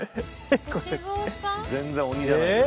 全然鬼じゃないよ。